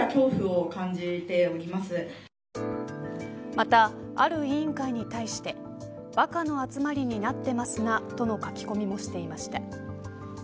また、ある委員会に対してバカの集まりになってますななどの書き込みをしていました